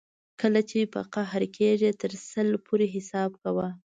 کله چې په قهر کېږې تر سل پورې حساب کوه.